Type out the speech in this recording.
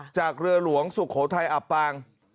จากเรือหลวงสุโขทัยอับปาง